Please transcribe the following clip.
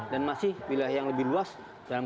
dan masih wilayah yang lebih luas dalam